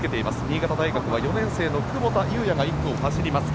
新潟大学は４年生の久保田雄也が１区を走ります。